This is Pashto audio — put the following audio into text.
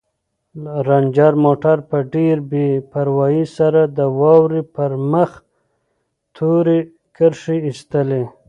رنجر موټر په ډېرې بې پروايۍ سره د واورې پر مخ تورې کرښې ایستلې.